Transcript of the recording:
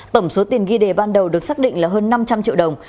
tổng số tiền ghi đề ban đầu được xác định là hơn năm trăm linh triệu đồng